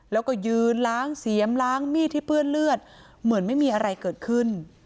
แล้วก็ยืนล้างเสียมล้างมีดที่เปื้อนเลือดเหมือนไม่มีอะไรเกิดขึ้น